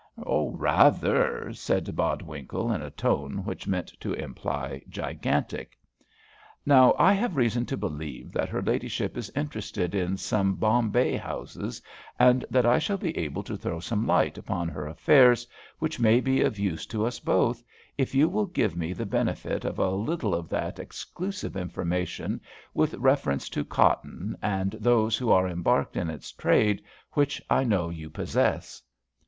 "Rather," said Bodwinkle, in a tone which meant to imply gigantic. "Now I have reason to believe that her ladyship is interested in some Bombay houses, and I shall be able to throw some light upon her affairs which may be of use to us both, if you will give me the benefit of a little of that exclusive information with reference to cotton and those who are embarked in its trade which I know you possess."